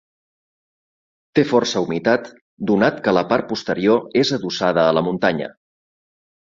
Té força humitat, donat que la part posterior és adossada a la muntanya.